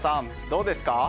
どうですか？